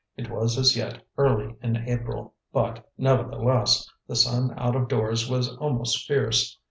It was as yet early in April, but, nevertheless, the sun out of doors was almost fierce.